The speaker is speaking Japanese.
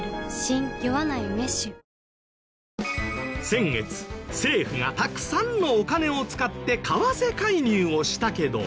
先月政府がたくさんのお金を使って為替介入をしたけど。